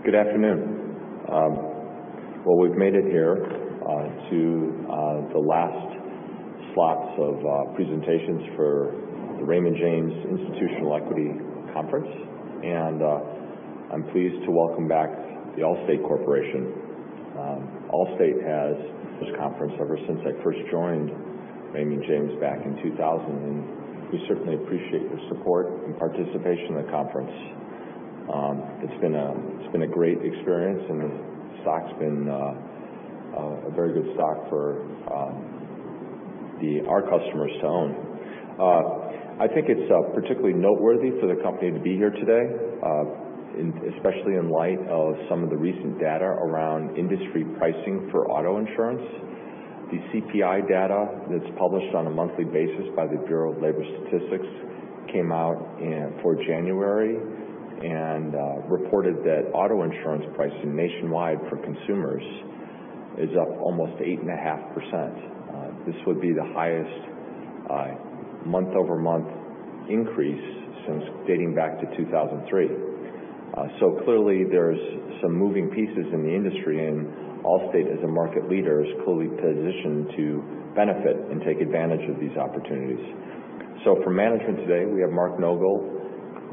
Good afternoon. We've made it here to the last slots of presentations for the Raymond James Institutional Equity Conference, and I'm pleased to welcome back The Allstate Corporation. Allstate has this conference ever since I first joined Raymond James back in 2000. We certainly appreciate your support and participation in the conference. It's been a great experience, and the stock's been a very good stock for our customers to own. I think it's particularly noteworthy for the company to be here today, especially in light of some of the recent data around industry pricing for auto insurance. The CPI data that's published on a monthly basis by the Bureau of Labor Statistics came out for January and reported that auto insurance pricing nationwide for consumers is up almost 8.5%. This would be the highest month-over-month increase since dating back to 2003. Clearly there's some moving pieces in the industry, and Allstate, as a market leader, is clearly positioned to benefit and take advantage of these opportunities. For management today, we have Mark Nogal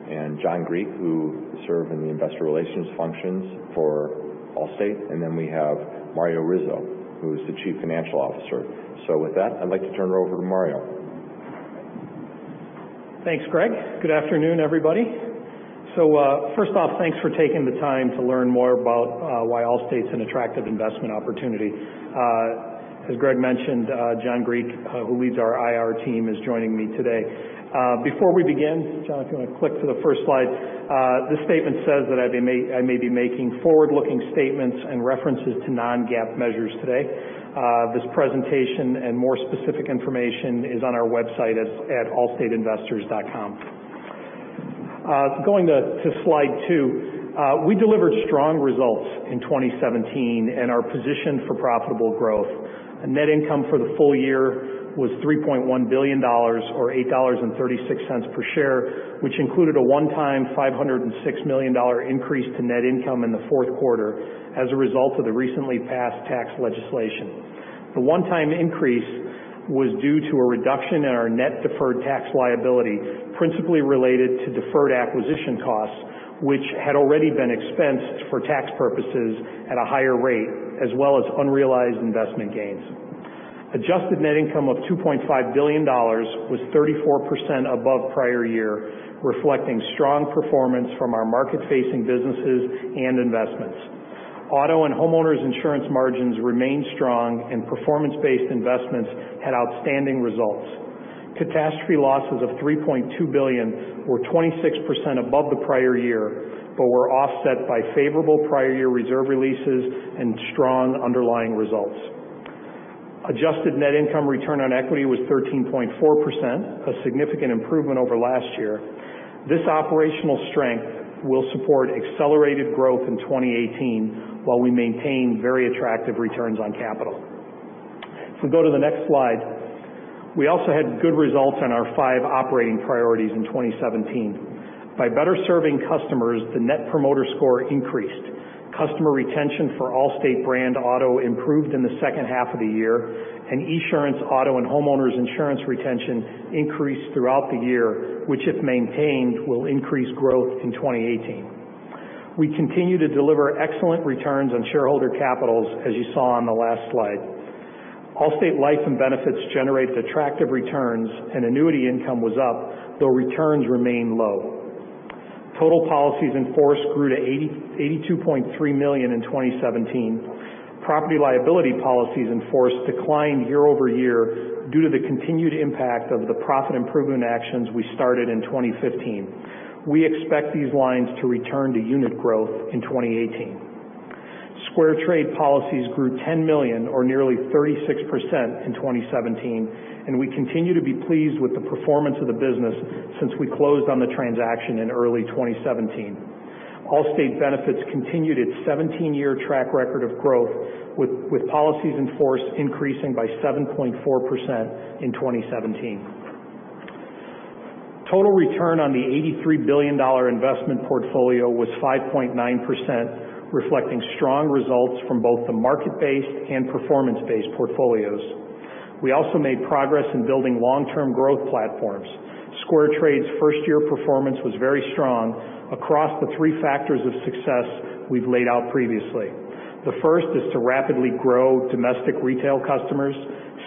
and John Griek, who serve in the investor relations functions for Allstate. We have Mario Rizzo, who is the Chief Financial Officer. With that, I'd like to turn it over to Mario. Thanks, Greg. Good afternoon, everybody. First off, thanks for taking the time to learn more about why Allstate's an attractive investment opportunity. As Greg mentioned, John Griek, who leads our IR team, is joining me today. Before we begin, John, if you want to click to the first slide. This statement says that I may be making forward-looking statements and references to non-GAAP measures today. This presentation and more specific information is on our website at allstateinvestors.com. Going to slide two. We delivered strong results in 2017 and are positioned for profitable growth. Net income for the full year was $3.1 billion, or $8.36 per share, which included a one-time $506 million increase to net income in the fourth quarter as a result of the recently passed tax legislation. The one-time increase was due to a reduction in our net deferred tax liability, principally related to deferred acquisition costs, which had already been expensed for tax purposes at a higher rate, as well as unrealized investment gains. Adjusted net income of $2.5 billion was 34% above prior year, reflecting strong performance from our market-facing businesses and investments. Auto and homeowners insurance margins remained strong. Performance-based investments had outstanding results. Catastrophe losses of $3.2 billion were 26% above the prior year, but were offset by favorable prior year reserve releases and strong underlying results. Adjusted net income return on equity was 13.4%, a significant improvement over last year. This operational strength will support accelerated growth in 2018 while we maintain very attractive returns on capital. If we go to the next slide, we also had good results on our five operating priorities in 2017. By better serving customers, the Net Promoter Score increased. Customer retention for Allstate brand auto improved in the second half of the year, and Esurance auto and homeowners insurance retention increased throughout the year, which, if maintained, will increase growth in 2018. We continue to deliver excellent returns on shareholder capitals, as you saw on the last slide. Allstate Life and Benefits generates attractive returns, and annuity income was up, though returns remain low. Total policies in force grew to 82.3 million in 2017. Property liability policies in force declined year-over-year due to the continued impact of the profit improvement actions we started in 2015. We expect these lines to return to unit growth in 2018. SquareTrade policies grew 10 million, or nearly 36%, in 2017, and we continue to be pleased with the performance of the business since we closed on the transaction in early 2017. Allstate Benefits continued its 17-year track record of growth, with policies in force increasing by 7.4% in 2017. Total return on the $83 billion investment portfolio was 5.9%, reflecting strong results from both the market-based and performance-based portfolios. We also made progress in building long-term growth platforms. SquareTrade's first-year performance was very strong across the three factors of success we've laid out previously. The first is to rapidly grow domestic retail customers.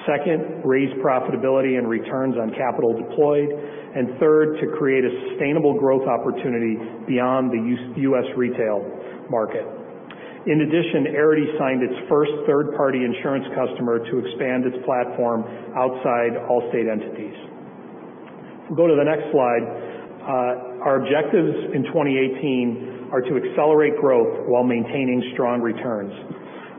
Second, raise profitability and returns on capital deployed. Third, to create a sustainable growth opportunity beyond the U.S. retail market. In addition, Arity signed its first third-party insurance customer to expand its platform outside Allstate entities. If we go to the next slide, our objectives in 2018 are to accelerate growth while maintaining strong returns.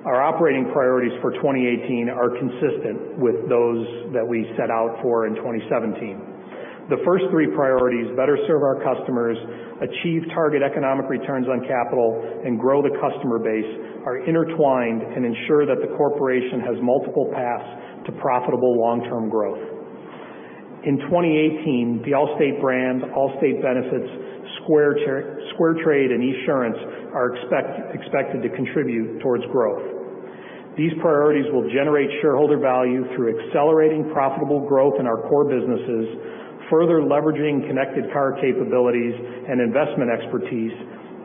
Our operating priorities for 2018 are consistent with those that we set out for in 2017. The first three priorities, better serve our customers, achieve target economic returns on capital, and grow the customer base, are intertwined and ensure that the corporation has multiple paths to profitable long-term growth. In 2018, the Allstate brand, Allstate Benefits, SquareTrade, and Esurance are expected to contribute towards growth. These priorities will generate shareholder value through accelerating profitable growth in our core businesses, further leveraging connected car capabilities and investment expertise,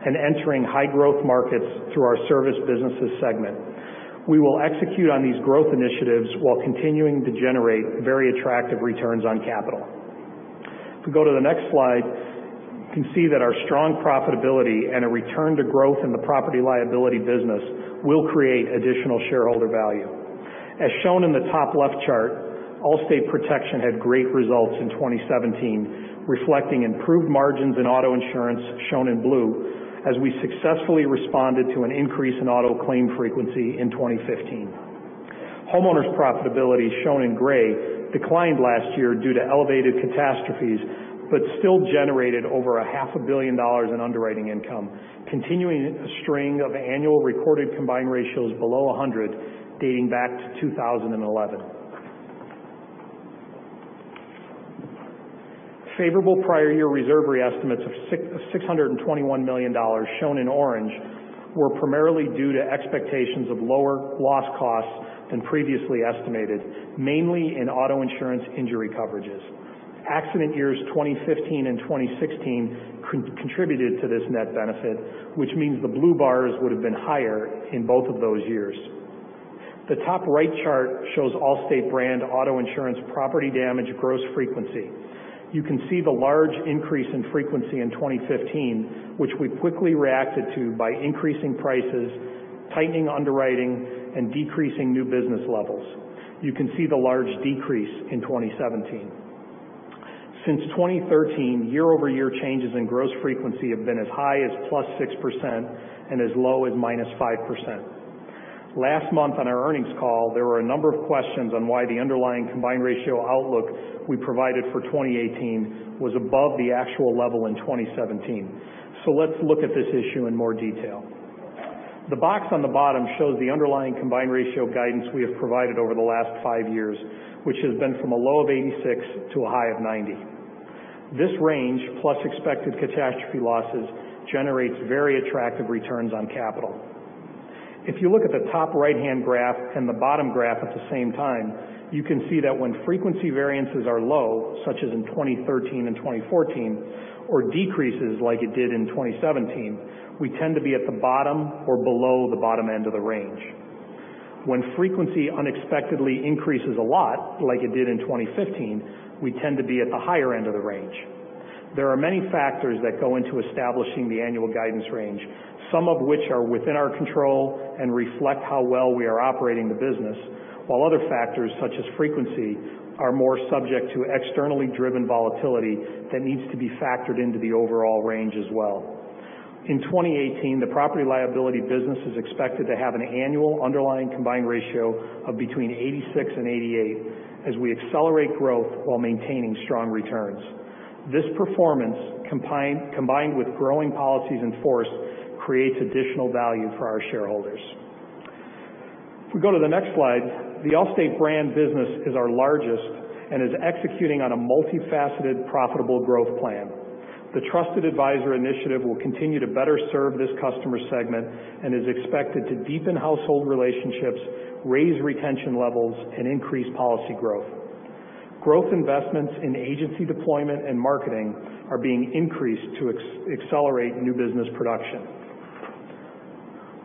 and entering high-growth markets through our service businesses segment. We will execute on these growth initiatives while continuing to generate very attractive returns on capital. If we go to the next slide, you can see that our strong profitability and a return to growth in the property liability business will create additional shareholder value. As shown in the top left chart, Allstate Protection had great results in 2017, reflecting improved margins in auto insurance, shown in blue, as we successfully responded to an increase in auto claim frequency in 2015. Homeowners profitability, shown in gray, declined last year due to elevated catastrophes, but still generated over a half a billion dollars in underwriting income, continuing a string of annual recorded combined ratios below 100, dating back to 2011. Favorable prior year reserve re-estimates of $621 million, shown in orange, were primarily due to expectations of lower loss costs than previously estimated, mainly in auto insurance injury coverages. Accident years 2015 and 2016 contributed to this net benefit, which means the blue bars would have been higher in both of those years. The top right chart shows Allstate brand auto insurance property damage gross frequency. You can see the large increase in frequency in 2015, which we quickly reacted to by increasing prices, tightening underwriting, and decreasing new business levels. You can see the large decrease in 2017. Since 2013, year-over-year changes in gross frequency have been as high as +6% and as low as -5%. Last month on our earnings call, there were a number of questions on why the underlying combined ratio outlook we provided for 2018 was above the actual level in 2017. Let's look at this issue in more detail. The box on the bottom shows the underlying combined ratio guidance we have provided over the last 5 years, which has been from a low of 86 to a high of 90. This range, plus expected catastrophe losses, generates very attractive returns on capital. If you look at the top right-hand graph and the bottom graph at the same time, you can see that when frequency variances are low, such as in 2013 and 2014, or decreases like it did in 2017, we tend to be at the bottom or below the bottom end of the range. When frequency unexpectedly increases a lot, like it did in 2015, we tend to be at the higher end of the range. There are many factors that go into establishing the annual guidance range, some of which are within our control and reflect how well we are operating the business, while other factors, such as frequency, are more subject to externally driven volatility that needs to be factored into the overall range as well. In 2018, the property liability business is expected to have an annual underlying combined ratio of between 86 and 88 as we accelerate growth while maintaining strong returns. This performance, combined with growing policies in force, creates additional value for our shareholders. If we go to the next slide, the Allstate brand business is our largest and is executing on a multifaceted profitable growth plan. The Trusted Advisor initiative will continue to better serve this customer segment and is expected to deepen household relationships, raise retention levels, and increase policy growth. Growth investments in agency deployment and marketing are being increased to accelerate new business production.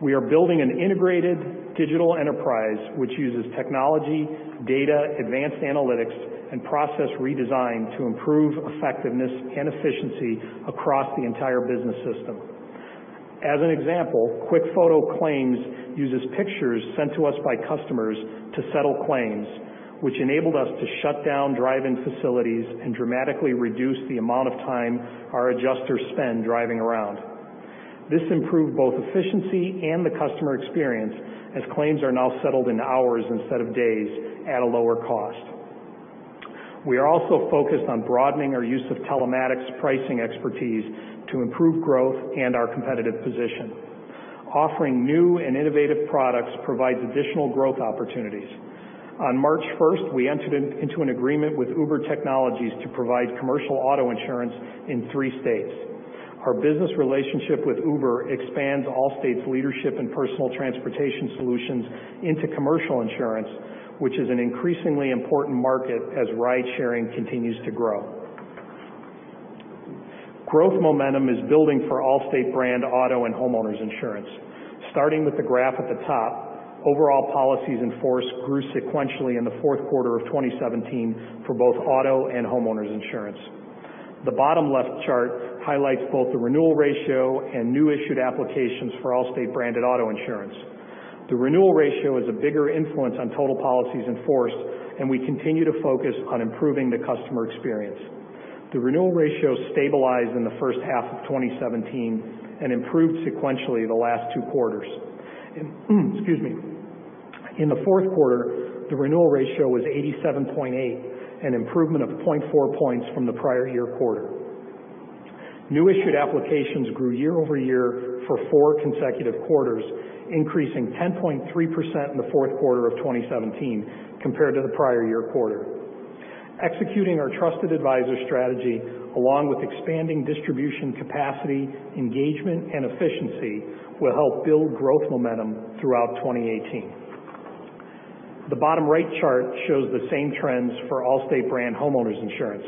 We are building an integrated digital enterprise which uses technology, data, advanced analytics, and process redesign to improve effectiveness and efficiency across the entire business system. As an example, QuickFoto Claims uses pictures sent to us by customers to settle claims, which enabled us to shut down drive-in facilities and dramatically reduce the amount of time our adjusters spend driving around. This improved both efficiency and the customer experience as claims are now settled in hours instead of days at a lower cost. We are also focused on broadening our use of telematics pricing expertise to improve growth and our competitive position. Offering new and innovative products provides additional growth opportunities. On March 1st, we entered into an agreement with Uber Technologies to provide commercial auto insurance in three states. Our business relationship with Uber expands Allstate's leadership in personal transportation solutions into commercial insurance, which is an increasingly important market as ride-sharing continues to grow. Growth momentum is building for Allstate brand auto and homeowners insurance. Starting with the graph at the top, overall policies in force grew sequentially in the fourth quarter of 2017 for both auto and homeowners insurance. The bottom left chart highlights both the renewal ratio and new issued applications for Allstate brand auto insurance. The renewal ratio is a bigger influence on total policies in force, and we continue to focus on improving the customer experience. The renewal ratio stabilized in the first half of 2017 and improved sequentially the last two quarters. Excuse me. In the fourth quarter, the renewal ratio was 87.8, an improvement of 0.4 points from the prior year quarter. New issued applications grew year-over-year for four consecutive quarters, increasing 10.3% in the fourth quarter of 2017 compared to the prior year quarter. Executing our Trusted Advisor strategy along with expanding distribution capacity, engagement, and efficiency will help build growth momentum throughout 2018. The bottom right chart shows the same trends for Allstate brand homeowners insurance.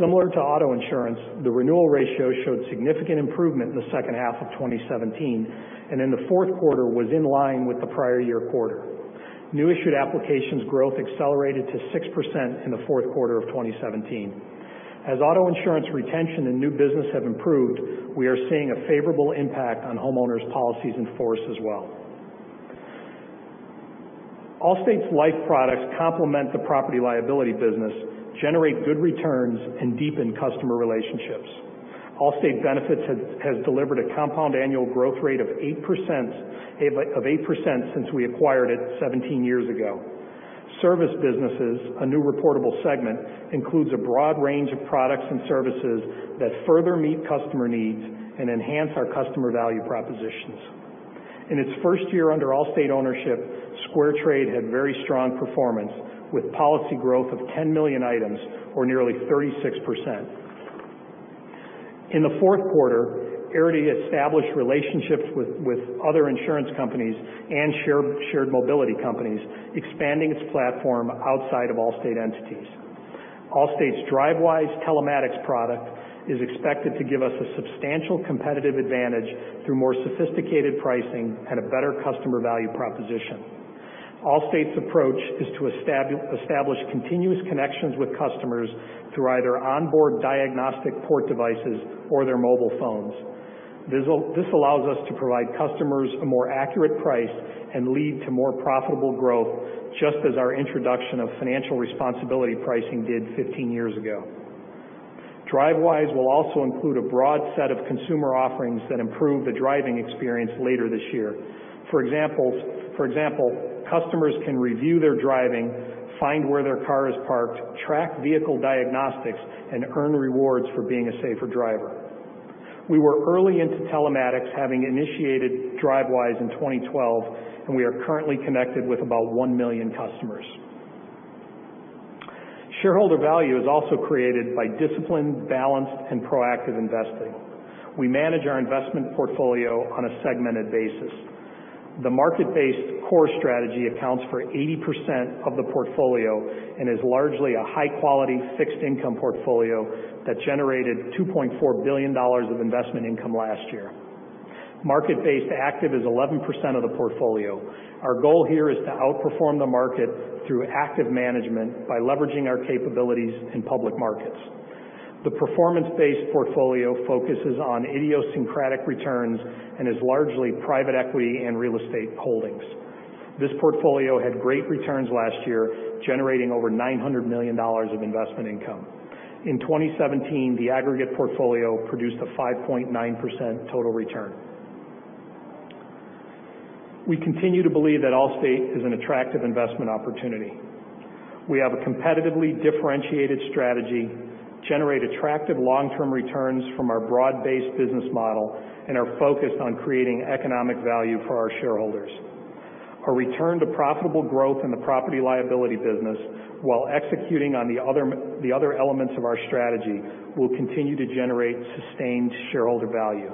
Similar to auto insurance, the renewal ratio showed significant improvement in the second half of 2017, and in the fourth quarter was in line with the prior year quarter. New issued applications growth accelerated to 6% in the fourth quarter of 2017. As auto insurance retention and new business have improved, we are seeing a favorable impact on homeowners policies in force as well. Allstate's life products complement the property liability business, generate good returns, and deepen customer relationships. Allstate Benefits has delivered a compound annual growth rate of 8% since we acquired it 17 years ago. Service Businesses, a new reportable segment, includes a broad range of products and services that further meet customer needs and enhance our customer value propositions. In its first year under Allstate ownership, SquareTrade had very strong performance, with policy growth of 10 million items or nearly 36%. In the fourth quarter, Arity established relationships with other insurance companies and shared mobility companies, expanding its platform outside of Allstate entities. Allstate's Drivewise telematics product is expected to give us a substantial competitive advantage through more sophisticated pricing and a better customer value proposition. Allstate's approach is to establish continuous connections with customers through either onboard diagnostic port devices or their mobile phones. This allows us to provide customers a more accurate price and lead to more profitable growth, just as our introduction of financial responsibility pricing did 15 years ago. Drivewise will also include a broad set of consumer offerings that improve the driving experience later this year. For example, customers can review their driving, find where their car is parked, track vehicle diagnostics, and earn rewards for being a safer driver. We were early into telematics, having initiated Drivewise in 2012, and we are currently connected with about one million customers. Shareholder value is also created by disciplined, balanced, and proactive investing. We manage our investment portfolio on a segmented basis. The market-based core strategy accounts for 80% of the portfolio and is largely a high-quality fixed income portfolio that generated $2.4 billion of investment income last year. Market-based active is 11% of the portfolio. Our goal here is to outperform the market through active management by leveraging our capabilities in public markets. The performance-based portfolio focuses on idiosyncratic returns and is largely private equity and real estate holdings. This portfolio had great returns last year, generating over $900 million of investment income. In 2017, the aggregate portfolio produced a 5.9% total return. We continue to believe that Allstate is an attractive investment opportunity. We have a competitively differentiated strategy, generate attractive long-term returns from our broad-based business model, and are focused on creating economic value for our shareholders. Our return to profitable growth in the property liability business, while executing on the other elements of our strategy, will continue to generate sustained shareholder value.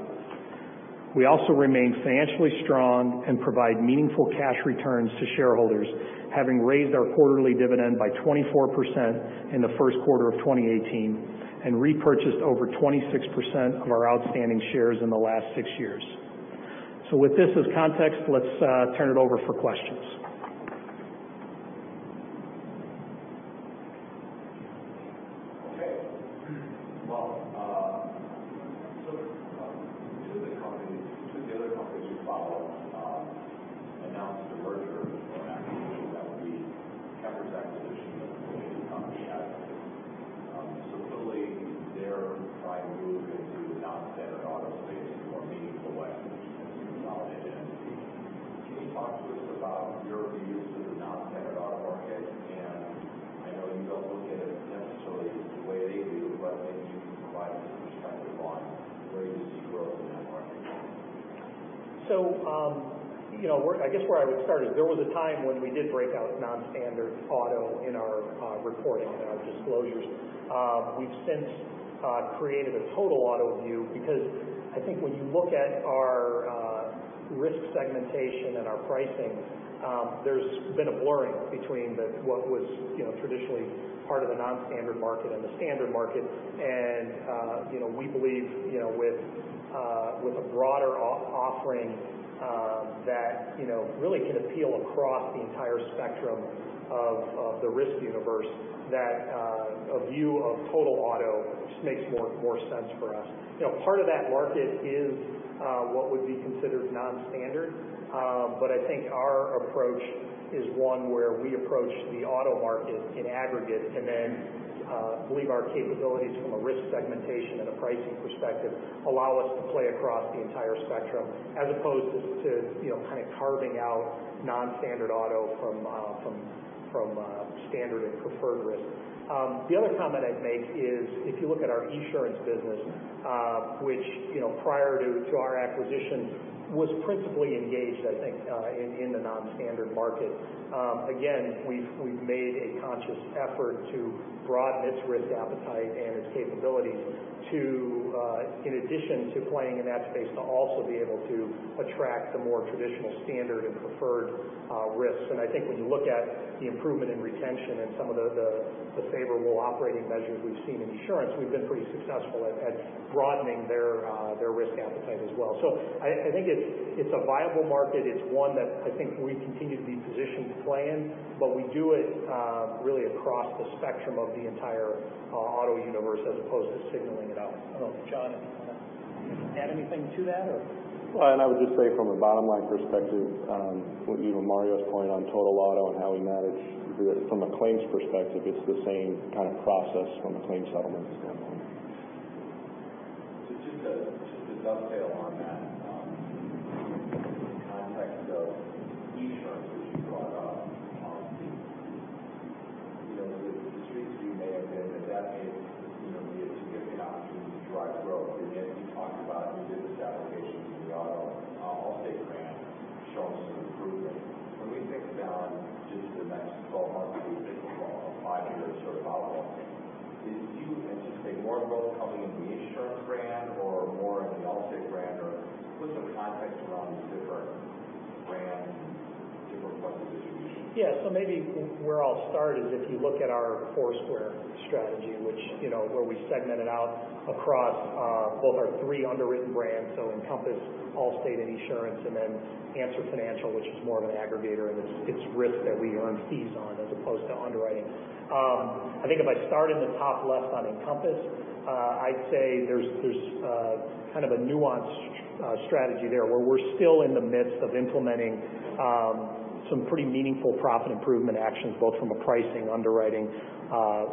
We also remain financially strong and provide meaningful cash returns to shareholders, having raised our quarterly dividend by 24% in the first quarter of 2018 and repurchased over 26% of our outstanding shares in the last six years. With this as context, let's turn it over for questions. that really can appeal across the entire spectrum of the risk universe, that a view of total auto just makes more sense for us. Part of that market is what would be considered non-standard, but I think our approach is one where we approach the auto market in aggregate and then believe our capabilities from a risk segmentation and a pricing perspective allow us to play across the entire spectrum as opposed to carving out non-standard auto from standard and preferred risk. The other comment I'd make is if you look at our Esurance business, which prior to our acquisition, was principally engaged, I think, in the non-standard market. Again, we've made a conscious effort to broaden its risk appetite and its capabilities to, in addition to playing in that space, to also be able to attract the more traditional standard and preferred risks. When you look at the improvement in retention and some of the favorable operating measures we've seen in Esurance, we've been pretty successful at broadening their risk appetite as well. I think it's a viable market. It's one that I think we continue to be positioned to play in, but we do it really across the spectrum of the entire auto universe as opposed to signaling it out. I don't know, John, if you want to add anything to that or? I would just say from a bottom-line perspective, even Mario's point on total auto and how we manage it from a claims perspective, it's the same kind of process from a claim settlement standpoint. Just a dovetail on that. In context of Esurance, which you brought up. The street view may have been that that needed to give an opportunity to drive growth. You talked about new business applications in the auto, Allstate brand showing some improvement. When we think down just the next 12 months, maybe think about a 5-year sort of outlook. Do you anticipate more growth coming in the Esurance brand or more in the Allstate brand? Put some context around these different brands, different points of distribution. Maybe where I'll start is if you look at our four-square strategy, which where we segmented out across both our three underwritten brands, Encompass, Allstate, and Esurance, Answer Financial, which is more of an aggregator, and it's risk that we earn fees on as opposed to underwriting. If I start in the top left on Encompass, I'd say there's a nuanced strategy there where we're still in the midst of implementing some pretty meaningful profit improvement actions, both from a pricing, underwriting,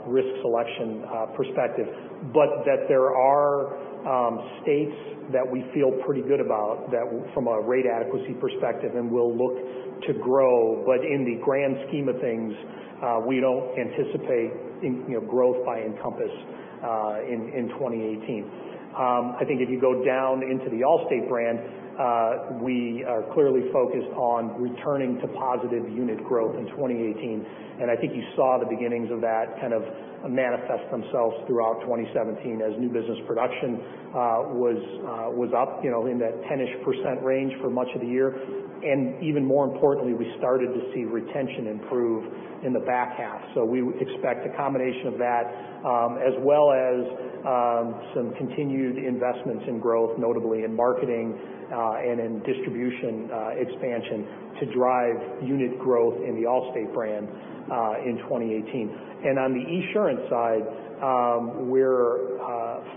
risk selection perspective, but that there are states that we feel pretty good about that from a rate adequacy perspective, and we'll look to grow. In the grand scheme of things, we don't anticipate growth by Encompass in 2018. I think if you go down into the Allstate brand, we are clearly focused on returning to positive unit growth in 2018. I think you saw the beginnings of that kind of manifest themselves throughout 2017 as new business production was up in the 10-ish% range for much of the year. Even more importantly, we started to see retention improve in the back half. We expect a combination of that as well as some continued investments in growth, notably in marketing, and in distribution expansion to drive unit growth in the Allstate brand in 2018. On the Esurance side, we're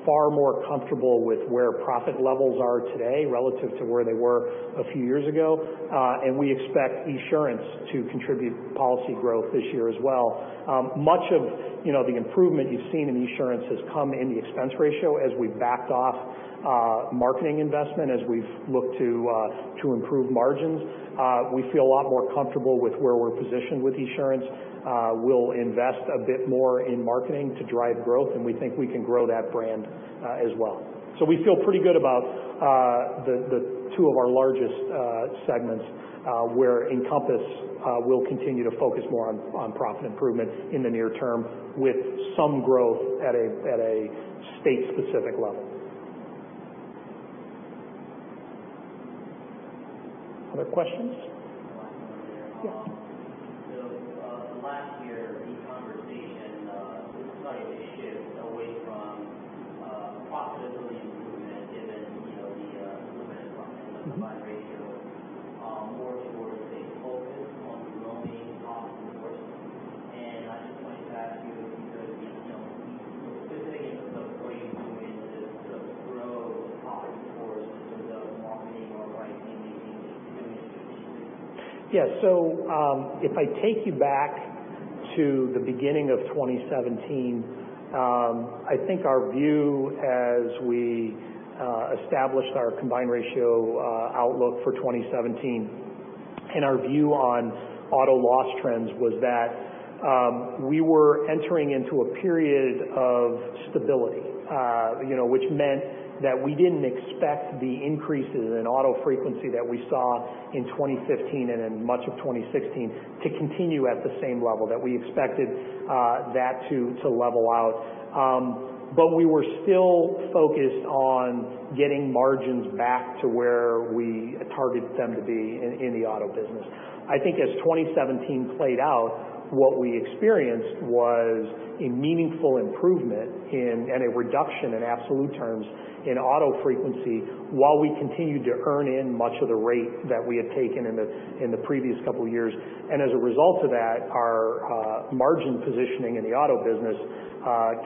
far more comfortable with where profit levels are today relative to where they were a few years ago. We expect Esurance to contribute policy growth this year as well. Much of the improvement you've seen in Esurance has come in the expense ratio as we've backed off marketing investment as we've looked to improve margins. We feel a lot more comfortable with where we're positioned with Esurance. We'll invest a bit more in marketing to drive growth, and we think we can grow that brand as well. We feel pretty good about the two of our largest segments, where Encompass will continue to focus more on profit improvement in the near term with some growth at a state-specific level. Other questions? Last one there. Yeah. Last year, the conversation it slightly shifted away from profitability improvement given the improvement in combined ratio, more towards a focus on growing profit. I just wanted to ask you, because we know specifically what are you doing to grow profit towards sort of the marketing or pricing initiatives going into 2023? Yeah. If I take you back to the beginning of 2017, I think our view as we established our combined ratio outlook for 2017 and our view on auto loss trends was that we were entering into a period of stability, which meant that we didn't expect the increases in auto frequency that we saw in 2015 and in much of 2016 to continue at the same level, that we expected that to level out. We were still focused on getting margins back to where we targeted them to be in the auto business. I think as 2017 played out, what we experienced was a meaningful improvement and a reduction in absolute terms in auto frequency while we continued to earn in much of the rate that we had taken in the previous couple of years. As a result of that, our margin positioning in the auto business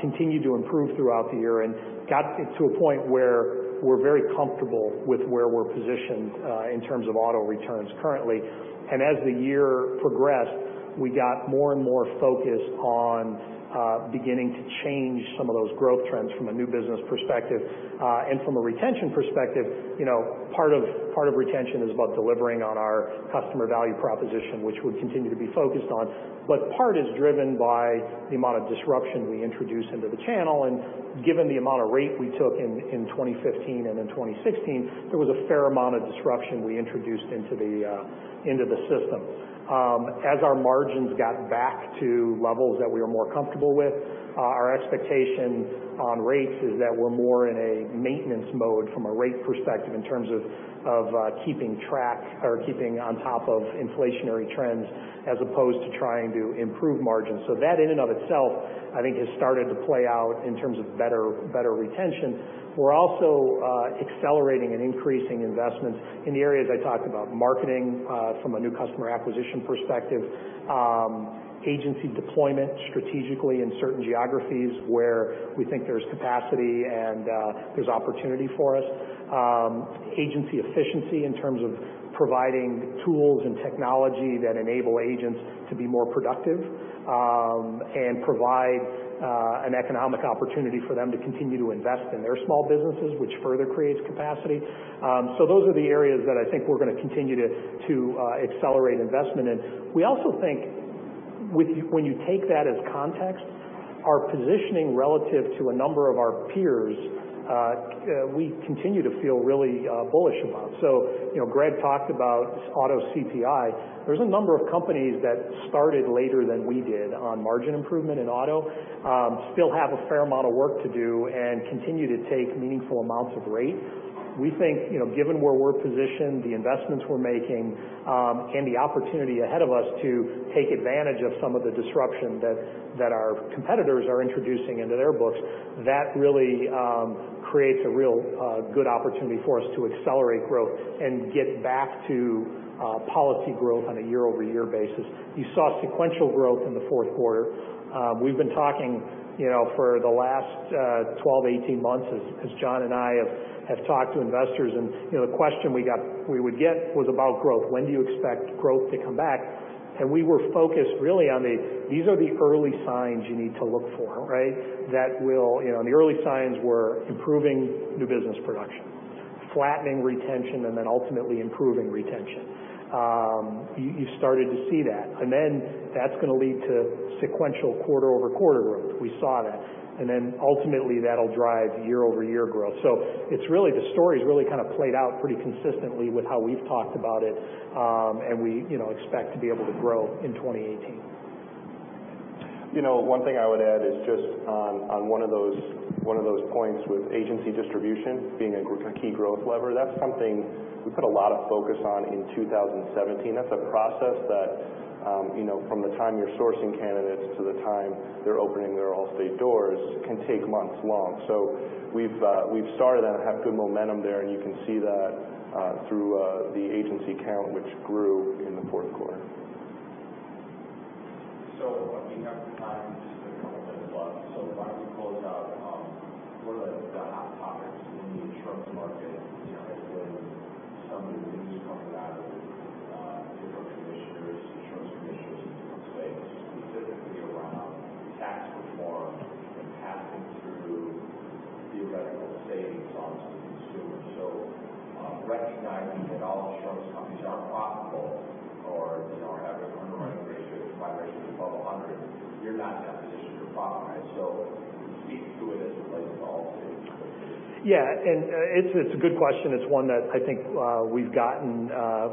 continued to improve throughout the year and got to a point where we're very comfortable with where we're positioned in terms of auto returns currently. As the year progressed, we got more and more focused on beginning to change some of those growth trends from a new business perspective. From a retention perspective, part of retention is about delivering on our customer value proposition, which we'll continue to be focused on. Part is driven by the amount of disruption we introduce into the channel, and given the amount of rate we took in 2015 and in 2016, there was a fair amount of disruption we introduced into the system. As our margins got back to levels that we were more comfortable with Our expectations on rates is that we're more in a maintenance mode from a rate perspective in terms of keeping track or keeping on top of inflationary trends, as opposed to trying to improve margins. That in and of itself, I think, has started to play out in terms of better retention. We're also accelerating and increasing investments in the areas I talked about, marketing from a new customer acquisition perspective, agency deployment strategically in certain geographies where we think there's capacity and there's opportunity for us. Agency efficiency in terms of providing tools and technology that enable agents to be more productive, and provide an economic opportunity for them to continue to invest in their small businesses, which further creates capacity. Those are the areas that I think we're going to continue to accelerate investment in. We also think when you take that as context, our positioning relative to a number of our peers, we continue to feel really bullish about. Greg talked about auto CPI. There's a number of companies that started later than we did on margin improvement in auto, still have a fair amount of work to do, and continue to take meaningful amounts of rate. We think, given where we're positioned, the investments we're making, and the opportunity ahead of us to take advantage of some of the disruption that our competitors are introducing into their books, that really creates a real good opportunity for us to accelerate growth and get back to policy growth on a year-over-year basis. You saw sequential growth in the fourth quarter. We've been talking for the last 12, 18 months as John and I have talked to investors, the question we would get was about growth. When do you expect growth to come back? We were focused really on these are the early signs you need to look for, right? The early signs were improving new business production, flattening retention, ultimately improving retention. You started to see that. That's going to lead to sequential quarter-over-quarter growth. We saw that. Ultimately, that'll drive year-over-year growth. The story's really kind of played out pretty consistently with how we've talked about it, and we expect to be able to grow in 2018. One thing I would add is just on one of those points with agency distribution being a key growth lever. That's something we put a lot of focus on in 2017. That's a process that, from the time you're sourcing candidates to the time they're opening their Allstate doors can take months long. We've started and have good momentum there, and you can see that through the agency count, which grew in the fourth quarter. We have time, just a couple of minutes left. Why don't we close out, what are the hot topics in the insurance market with some of the news coming out of different commissioners, insurance commissioners in different states, specifically around tax reform and passing through theoretical savings onto consumers. Recognizing that all insurance companies aren't profitable or have a combined ratio above 100, you're not in that position you're in, right? Can you speak to it as it relates to Allstate? Yeah. It's a good question. It's one that I think we've gotten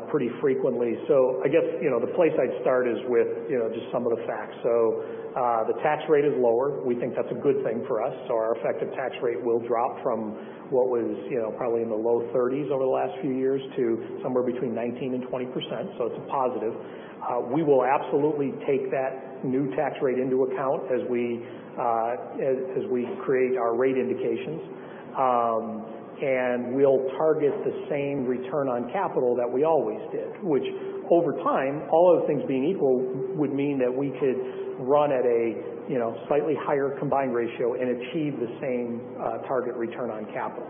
pretty frequently. I guess, the place I'd start is with just some of the facts. The tax rate is lower. We think that's a good thing for us. Our effective tax rate will drop from what was probably in the low 30s over the last few years to somewhere between 19%-20%. It's a positive. We will absolutely take that new tax rate into account as we create our rate indications. We'll target the same return on capital that we always did, which over time, all other things being equal, would mean that we could run at a slightly higher combined ratio and achieve the same target return on capital.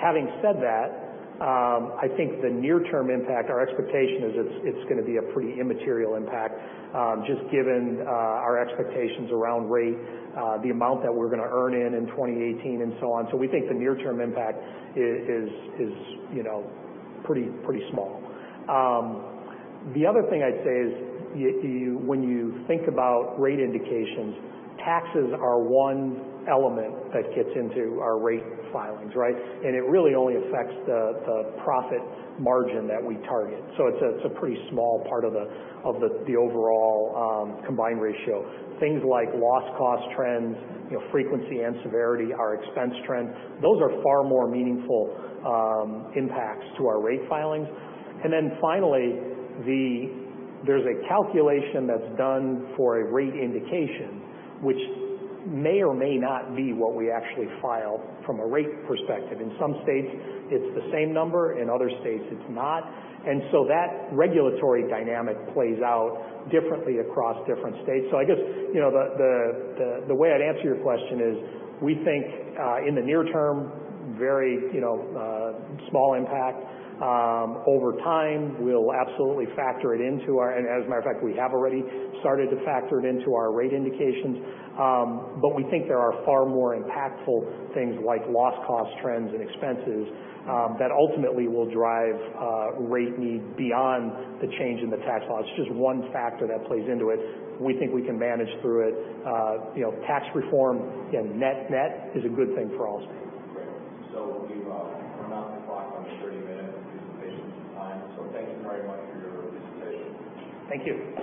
Having said that, I think the near-term impact, our expectation is it's going to be a pretty immaterial impact, just given our expectations around rate, the amount that we're going to earn in 2018 and so on. We think the near-term impact is pretty small. The other thing I'd say is when you think about rate indications, taxes are one element that gets into our rate filings, right? It really only affects the profit margin that we target. It's a pretty small part of the overall combined ratio. Things like loss cost trends, frequency and severity, our expense trends, those are far more meaningful impacts to our rate filings. Finally, there's a calculation that's done for a rate indication, which may or may not be what we actually file from a rate perspective. In some states, it's the same number, in other states it's not. That regulatory dynamic plays out differently across different states. I guess, the way I'd answer your question is, we think in the near term, very small impact. Over time, we'll absolutely, and as a matter of fact, we have already started to factor it into our rate indications. We think there are far more impactful things like loss cost trends and expenses that ultimately will drive rate need beyond the change in the tax laws. It's just one factor that plays into it. We think we can manage through it. Tax reform, net net, is a good thing for Allstate. Great. We've run out the clock on the 30 minutes presentation time. Thank you very much for your presentation. Thank you.